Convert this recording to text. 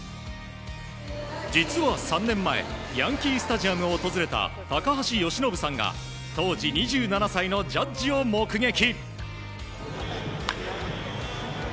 実は３年前ヤンキー・スタジアムを訪れた高橋由伸さんが当時２７歳のジャッジを目撃。